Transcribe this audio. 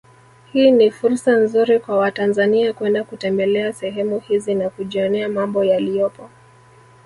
Hii ni fursa nzuri kwa watanzania kwenda kutembelea sehemu hizi na kujionea mambo yaliyopo